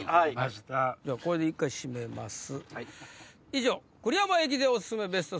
これで一回締めます。